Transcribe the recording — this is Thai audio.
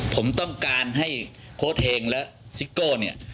ผมต้องการให้โค้ดเฮงและซิโก้เนี่ย